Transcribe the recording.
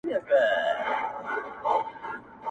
زموږ له شونډو مه غواړه زاهده د خلوت کیسه!